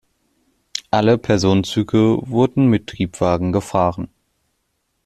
Alle Personenzüge wurden mit Triebwagen gefahren.